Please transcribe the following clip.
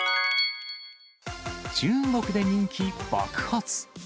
中国で人気爆発。